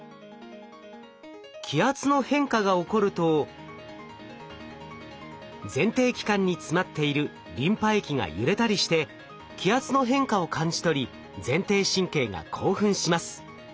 気圧の変化が起こると前庭器官に詰まっているリンパ液が揺れたりして気圧の変化を感じ取り前庭神経が興奮します。